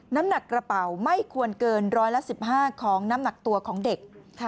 น้ำหนักกระเป๋าไม่ควรเกินร้อยละ๑๕ของน้ำหนักตัวของเด็ก